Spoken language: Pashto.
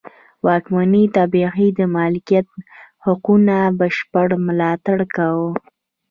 واکمنې طبقې د مالکیت حقونو بشپړ ملاتړ کاوه.